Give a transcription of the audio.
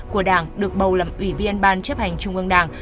của đảng được bầu làm ủy viên ban chấp hành trung ương đảng